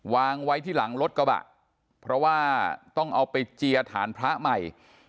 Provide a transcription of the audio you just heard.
วางไว้ที่หลังรถกระบะเพราะว่าต้องเอาไปเจียฐานพระใหม่